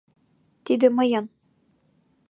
— Тиде мыйын.